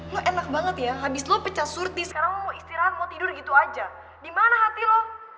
lo enak banget ya habis lo pecah surti sekarang mau istirahat mau tidur gitu aja dimana hati lo